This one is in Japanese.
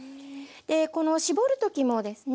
この搾る時もですね